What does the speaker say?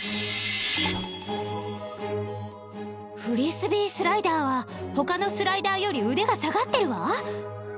フリスビースライダーは他のスライダーより腕が下がってるわ